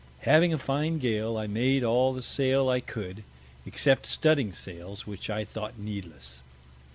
Having a fine Gale, I made all the Sail I could, except Studding sails, which I thought needless.